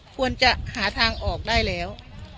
ควรจะหาทางออกได้แล้ว